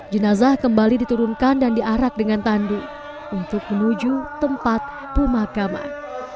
jenazah kembali diturunkan dan diarak dengan tandu untuk menuju tempat pemakaman